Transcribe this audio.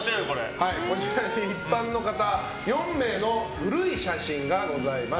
こちらに一般の方４名の古い写真がございます。